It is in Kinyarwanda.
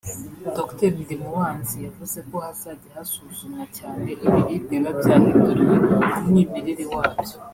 Dr Ndimubanzi yavuze ko hazajya hasuzumwa cyane ibiribwa biba byahinduriwe umwimerere wabyo